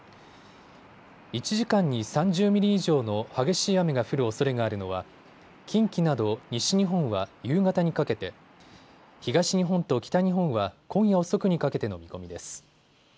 １時間に３０ミリ以上の激しい雨が降るおそれがあるのは近畿など西日本は夕方にかけて、東日本と北日本は今夜遅くにかけての見込みです。